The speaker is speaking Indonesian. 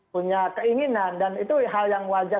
punya keinginan dan itu hal yang wajar